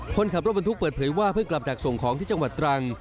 คนขับรถบรรทุกเปิดเผยว่าเพิ่งกลับจากส่งของที่จังหวัดตรัง